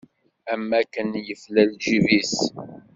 Am akken yefla lǧib-is.